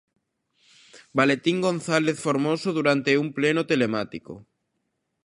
Valentín González Formoso durante un pleno telemático.